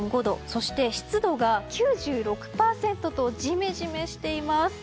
そして湿度が９６％とジメジメしています。